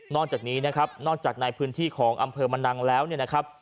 จากนี้นะครับนอกจากในพื้นที่ของอำเภอมะนังแล้วเนี่ยนะครับ